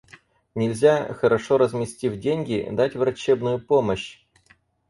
Нельзя, хорошо разместив деньги, дать врачебную помощь?